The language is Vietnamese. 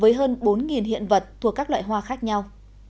với hơn bốn hiện vật thuộc các loại hoa khác nhau